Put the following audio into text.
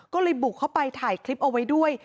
ก็เลยบุกเข้าไปถ่ายคลิปเอาไว้ด้วย